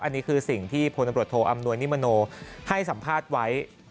อันนี้คือสิ่งที่พลตำรวจโทอำนวยนิมโนให้สัมภาษณ์ไว้